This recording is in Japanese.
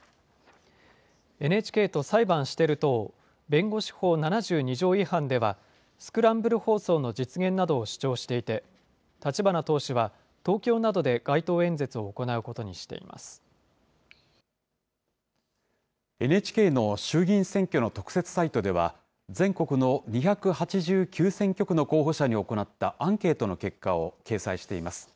ＮＨＫと裁判している党弁護士法７２条違反では、スクランブル放送の実現などを主張していて、立花党首は東京などで街頭演説を行ＮＨＫの衆議院選挙の特設サイトでは、全国の２８９選挙区の候補者に行ったアンケートの結果を掲載しています。